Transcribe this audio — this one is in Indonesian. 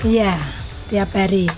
ya tiap hari